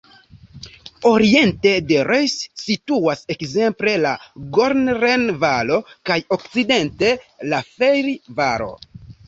Oriente de Reuss situas ekzemple la "Gorneren-Valo" kaj okcidente la "Felli-Valo".